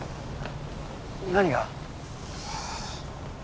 何が？